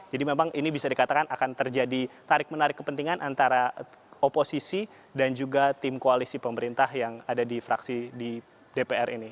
memang ini bisa dikatakan akan terjadi tarik menarik kepentingan antara oposisi dan juga tim koalisi pemerintah yang ada di fraksi di dpr ini